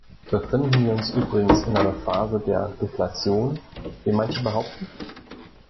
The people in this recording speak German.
Befinden wir uns übrigens in einer Phase der Deflation, wie manche behaupten?